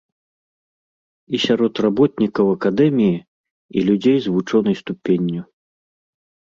І сярод работнікаў акадэміі, і людзей з вучонай ступенню.